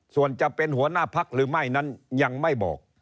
ส่วนจะเป็นหัวหน้าพักหรือไม่นั้นยังไม่บอก